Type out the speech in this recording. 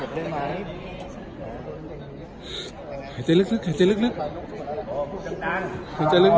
ผมจะเลือกนึง